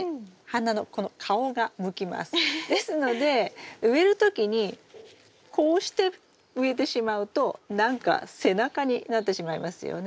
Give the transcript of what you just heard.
ですので植える時にこうして植えてしまうと何か背中になってしまいますよね。